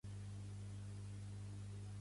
Tenir molta merda a les dents